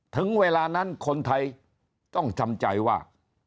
ถึงเวลานั้นคนไทยต้องทำใจว่า